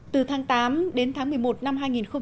từ tháng tám đến tháng một mươi một năm hai nghìn một mươi chín